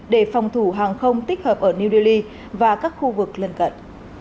để phòng thủ hàng không tích hợp ở new delhi và các khu vực lân cận